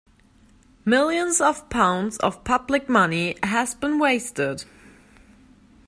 Millions of pounds of public money has been wasted.